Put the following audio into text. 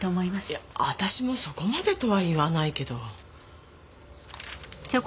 いや私もそこまでとは言わないけど。